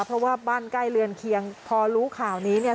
เพราะว่าบ้านใกล้เรือนเคียงพอรู้ข่าวนี้เนี่ย